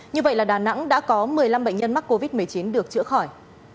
như vậy là đà nẵng đã có một mươi năm bệnh nhân mắc covid một mươi chín được chữa khỏi